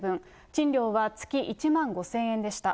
賃料は月１万５０００円でした。